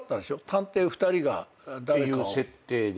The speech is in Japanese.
探偵２人が。っていう設定で。